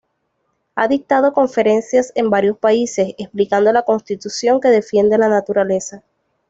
Ha dictado conferencias en varios países, explicando la Constitución que defiende la naturaleza.